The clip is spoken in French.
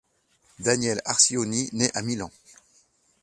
Daniele Arcioni naît à Milan.